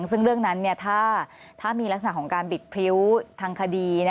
ซึ่งเรื่องนั้นถ้ามีลักษณะของการบิดพริ้วทางคดี